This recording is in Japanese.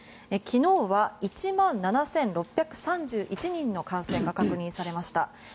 昨日は１万７６３１人の感染が確認されました。